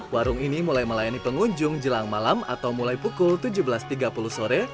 warung ini mulai melayani pengunjung jelang malam atau mulai pukul tujuh belas tiga puluh sore